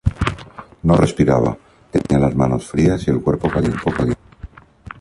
No respiraba, tenía las manos frías y el cuerpo caliente.